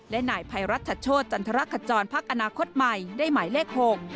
และนายภัยรัฐชัชโชธจันทรขจรพักอนาคตใหม่ได้หมายเลข๖